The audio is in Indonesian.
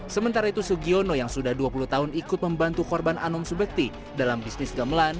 sementara itu sugiono yang sudah dua puluh tahun ikut membantu korban anum subekti dalam bisnis gamelan